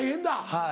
はい。